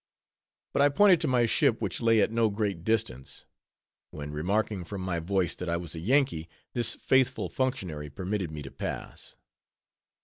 But I pointed to my ship, which lay at no great distance; when remarking from my voice that I was a Yankee, this faithful functionary permitted me to pass.